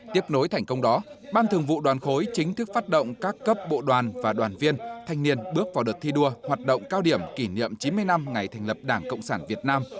tiếp nối thành công đó ban thường vụ đoàn khối chính thức phát động các cấp bộ đoàn và đoàn viên thanh niên bước vào đợt thi đua hoạt động cao điểm kỷ niệm chín mươi năm ngày thành lập đảng cộng sản việt nam